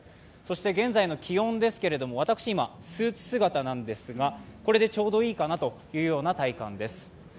現在の気温ですけれども、私、今、スーツ姿なんですが、これでちょうどいいかなというような体感です。